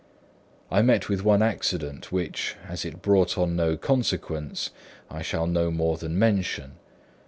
I met with one accident which, as it brought on no consequence, I shall no more than mention.